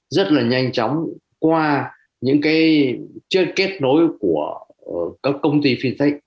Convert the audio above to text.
rất là nhanh chóng qua những cái kết nối của các công ty fintech